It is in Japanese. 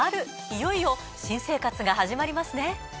いよいよ新生活が始まりますね。